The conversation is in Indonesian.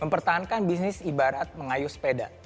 mempertahankan bisnis ibarat mengayuh sepeda